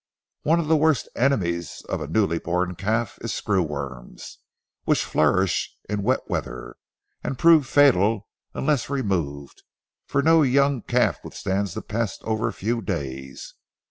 One of the worst enemies of a newly born calf is screw worms, which flourish in wet weather, and prove fatal unless removed; for no young calf withstands the pest over a few days.